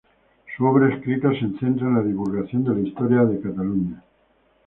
Su obra escrita se centra en la divulgación de la historia de Cataluña.